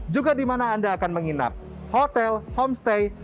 juga di mana anda akan menginap hotel homestay